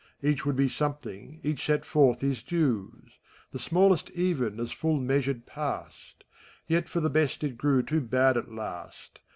Each would be something, .each set forth hi* dues; The smallest even as full measured passed : Yet for the best it grew too bad at last.